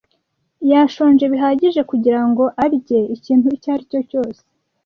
Yashonje bihagije kugirango arye ikintu icyo aricyo cyose.